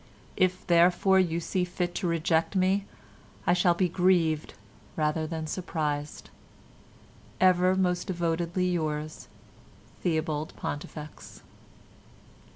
If, therefore, you see fit to reject me, I shall be grieved rather than surprised.—Ever most devotedly yours, "THEOBALD PONTIFEX."